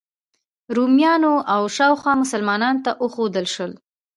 رومیانو او شاوخوا مسلمانانو ته وښودل شول.